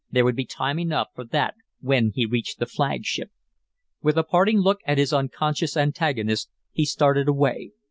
There would be time enough for that when he reached the flagship. With a parting look at his unconscious antagonist he started away.